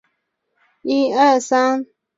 大家熟悉木质锥锥孔产生种子。